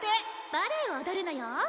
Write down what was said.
バレーを踊るのよ。